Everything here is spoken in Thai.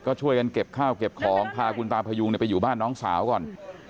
ก็ช่วยกันเก็บข้าวเก็บของพาคุณตาพยุงไปอยู่บ้านน้องสาวก่อน